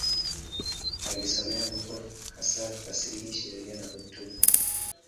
Alisomea huko, hasa fasihi, sheria na hotuba.